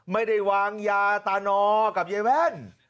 ไม่ได้วางยาตานอกับยายแว่น